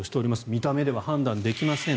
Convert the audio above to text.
見た目で判断できません。